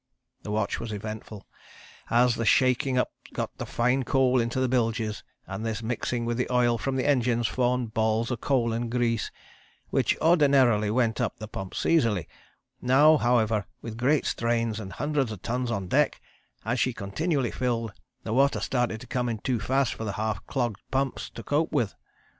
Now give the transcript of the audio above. The watch was eventful as the shaking up got the fine coal into the bilges, and this mixing with the oil from the engines formed balls of coal and grease which, ordinarily, went up the pumps easily; now however with the great strains, and hundreds of tons on deck, as she continually filled, the water started to come in too fast for the half clogged pumps to cope with.